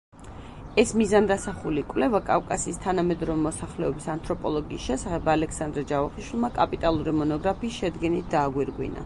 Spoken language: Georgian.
ეს მიზანდასახული კვლევა კავკასიის თანამედროვე მოსახლეობის ანთროპოლოგიის შესახებ ალექსანდრე ჯავახიშვილმა კაპიტალური მონოგრაფიის შედგენით დააგვირგვინა.